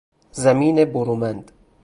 زمین برومند